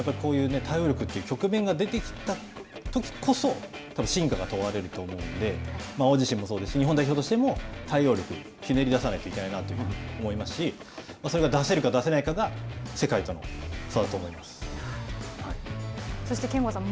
やっぱりこういう対応力という局面が出てきたときこそ真価が問われると思うので、碧自身もそうですし、日本代表としても対応力、ひねり出さないといけないなと思いますし、それが出せるか出せないかが世界とのそして憲剛さん